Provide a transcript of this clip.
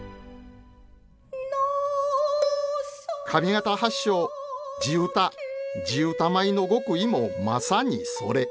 上方発祥地唄地唄舞の極意もまさにそれ。